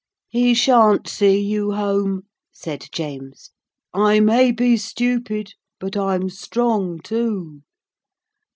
'He sha'n't see you home,' said James. 'I may be stupid but I'm strong too.'